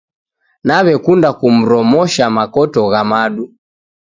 Naw'ekunda kumromosha makoto gha madu